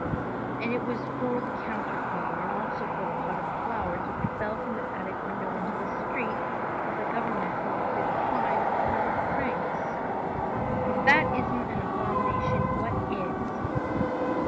And it was for the counterpane, and also for a pot of flowers which fell from the attic window into the street, that the government collected a fine of a hundred francs. If that isn't an abomination, what is!"